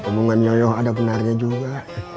tapi hubungan yoyo ada benarnya juga